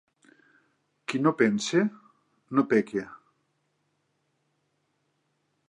Qui no pensa, no peca.